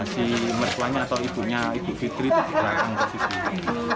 si merkuanya atau ibunya itu fitri itu di belakang posisinya